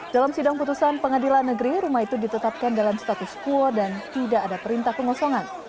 dalam sidang putusan pengadilan negeri rumah itu ditetapkan dalam status quo dan tidak ada perintah pengosongan